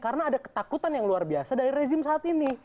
karena ada ketakutan yang luar biasa dari rezim saat ini